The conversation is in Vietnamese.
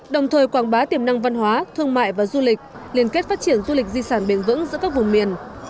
đồng thời quảng bá tiềm năng văn hóa thương mại và du lịch liên kết phát triển du lịch di sản bền vững giữa các vùng miền